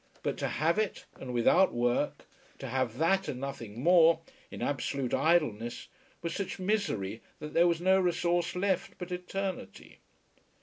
But to have it, and without work, to have that, and nothing more, in absolute idleness, was such misery that there was no resource left but eternity!